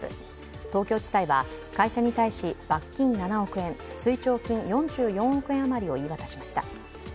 東京地裁は会社に対し罰金７億円、追徴金４４億円余りを言い渡しました。